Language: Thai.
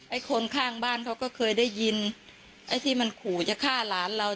ไอ้คนข้างบ้านเขาก็เคยได้ยินไอ้ที่มันขู่จะฆ่าหลานเรา